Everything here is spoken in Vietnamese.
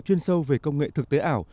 chuyên sâu về công nghệ thực tế ảo